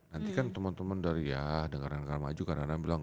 nanti kan teman teman dari ya negara negara maju kadang kadang bilang